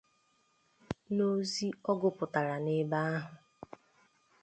N'ozi ọ gụpụtara n'ebe ahụ